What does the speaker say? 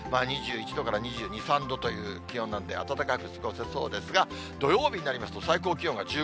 ２１度から２２、３度という気温なんで、暖かく過ごせそうですが、土曜日になりますと、最高気温が１５、６度。